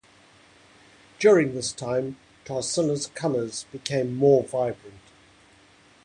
During this time, Tarsila's colors became more vibrant.